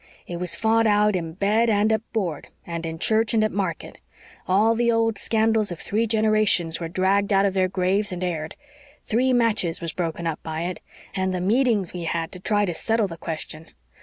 It was fought out in bed and at board, and in church and at market. All the old scandals of three generations were dragged out of their graves and aired. Three matches was broken up by it. And the meetings we had to try to settle the question!